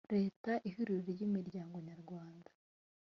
leta ihuriro ry imiryango nyarwanda